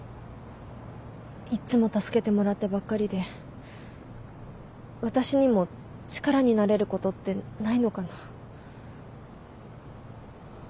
いっつも助けてもらってばっかりで私にも力になれることってないのかな。